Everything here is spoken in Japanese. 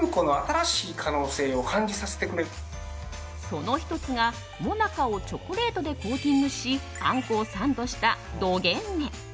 その１つが、もなかをチョコレートでコーティングしあんこをサンドした、どげんね。